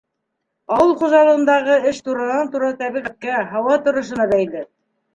Ауыл хужалығындағы эш туранан-тура тәбиғәткә, һауа торошона бәйле.